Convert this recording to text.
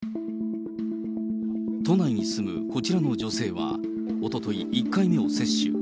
都内に住むこちらの女性は、おととい、１回目を接種。